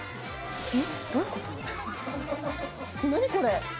何これ？